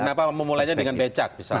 kenapa memulainya dengan becak